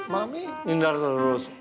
mami indar terus